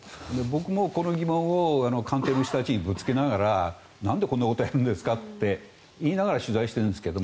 僕もこの疑問を官邸の人たちにぶつけながらなんでこんなことやるんですかって言いながら取材してるんですが。